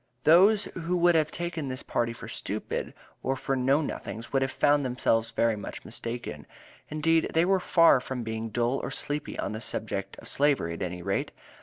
Those who would have taken this party for stupid, or for know nothings, would have found themselves very much mistaken. Indeed they were far from being dull or sleepy on the subject of Slavery at any rate.